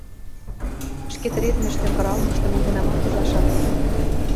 Ӹшке тӹредмӹштӹм, кыралмыштым нигынамат ужаш ак ли.